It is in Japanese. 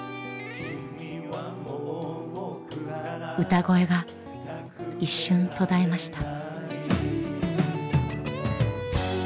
歌声が一瞬途絶えました。